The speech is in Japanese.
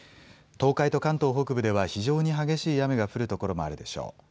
東海と関東北部では非常に激しい雨が降るところもあるでしょう。